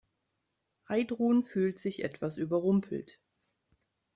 Heidrun fühlt sich etwas überrumpelt.